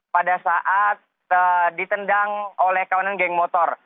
pada saat ditendang oleh kawanan geng motor